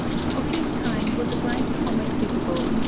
Of this kind was a bright comet visible in 1807.